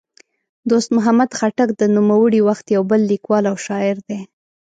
دوست محمد خټک د نوموړي وخت یو بل لیکوال او شاعر دی.